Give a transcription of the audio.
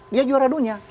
dia juara dunia